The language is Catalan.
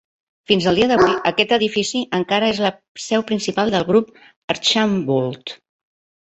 Fins al dia d'avui, aquest edifici encara és la seu principal del Grup Archambault.